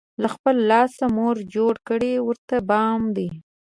له خپل لاسه، مور جوړ کړی ورته بام دی